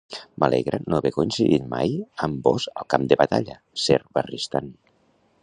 M'alegra no haver coincidit mai amb vós al camp de batalla, Ser Barristan.